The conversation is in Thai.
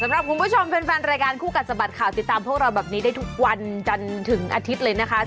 สำหรับคุณผู้ชมแฟนรายการคู่กัดสะบัดข่าวติดตามพวกเราแบบนี้ได้ทุกวันจันทร์ถึงอาทิตย์เลยนะคะ